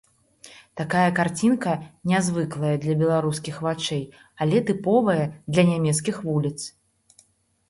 Такая карцінка нязвыклая для беларускіх вачэй, але тыповая для нямецкіх вуліц.